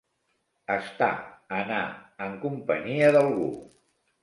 Estar, anar, en companyia d'algú.